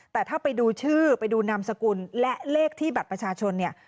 แต่ถ้าไปดูชื่อไปดูนามสกุลและเลขที่บัตรประชาชนเนี่ย